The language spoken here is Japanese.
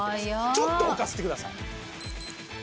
ちょっと置かせてください